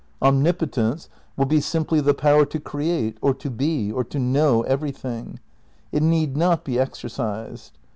Omnipotence will be Free simply the power to create, or to be, or to know every ^^ thing. It need not be exercised.